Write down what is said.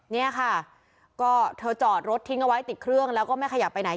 เนี่ยค่ะก็เธอจอดรถทิ้งเอาไว้ติดเครื่องแล้วก็ไม่ขยับไปไหน